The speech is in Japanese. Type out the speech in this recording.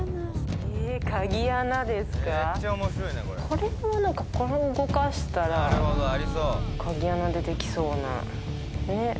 これが何かこれ動かしたら鍵穴出てきそうなねっ